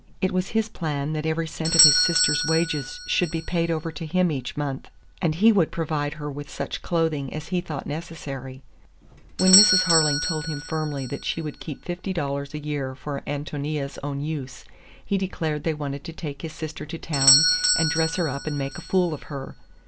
It was his plan that every cent of his sister's wages should be paid over to him each month, and he would provide her with such clothing as he thought necessary. When Mrs. Harling told him firmly that she would keep fifty dollars a year for Ántonia's own use, he declared they wanted to take his sister to town and dress her up and make a fool of her.